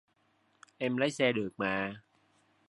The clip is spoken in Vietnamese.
Em lái xe được mà